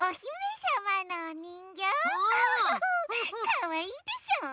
かわいいでしょう？